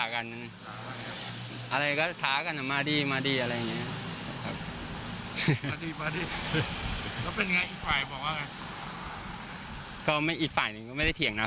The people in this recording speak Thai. คนตรีตอนตีก็ไม่ได้เถียงนะ